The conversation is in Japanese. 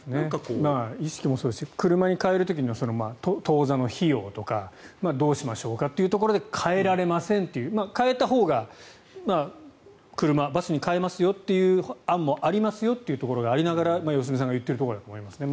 意識もそうですが車に変える時の当座の費用とかどうしましょうかということで変えられませんという変えたほうが車、バスに変えますよという案もありますよというところがありながら良純さんが言っているところだと思います。